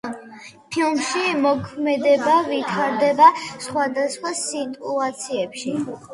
ფილმში მოქმედება ვითარდება სხვადასხვა სიტუაციებში.